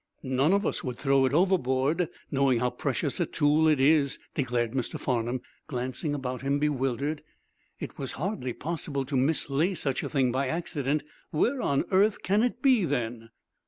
"None of us would throw it overboard, knowing how precious a tool it is," declared Mr. Farnum, glancing about him bewildered. "It was hardly possible to mislay such a thing by accident. Where on earth can it be, then?"